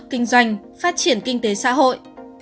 kinh doanh phát triển kinh tế xã hội